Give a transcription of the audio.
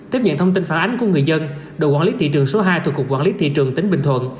tiếp nhận thông tin phản ánh của người dân đội quản lý thị trường số hai thuộc cục quản lý thị trường tỉnh bình thuận